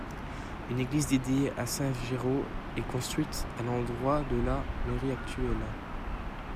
Une église dédiée à saint Géraud est construite à l'endroit de la mairie actuelle.